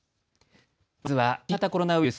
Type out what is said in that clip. まずは新型コロナウイルス。